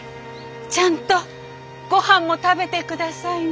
ちゃんとごはんも食べて下さいね。